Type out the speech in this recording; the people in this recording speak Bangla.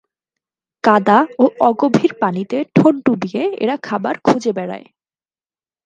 কাদা ও অগভীর পানিতে ঠোঁট ডুবিয়ে এরা খাবার খুঁজে বেড়ায়।